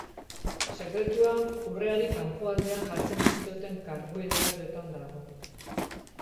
Sekretua urreari kanpoaldean jartzen dizkioten karbohidratoetan dago.